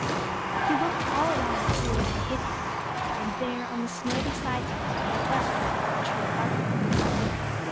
He looked all around to see what had hit him. And there, on the snow beside him, lay a bud off the tree above him.